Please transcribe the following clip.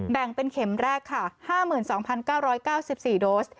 แบ่งเป็นเข็มแรกค่ะ๕๒๙๙๔โดส